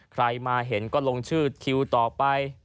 ใครมาเห็นก็ลงชื่อคิวต่อไป